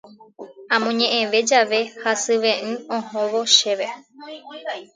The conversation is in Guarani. Amoñe'ẽve jave hasyve'ỹ ohóvo chéve.